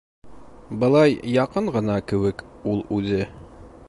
Былай яҡын ғына кеүек ул үҙе.